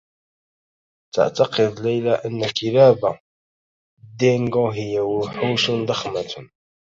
تعتقد ليلى أنّ كلاب الدّينغو هي وحوش ضخمة.